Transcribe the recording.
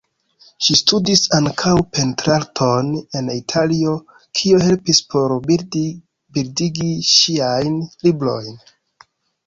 Ŝi studis ankaŭ pentrarton en Italio, kio helpis por bildigi ŝiajn librojn.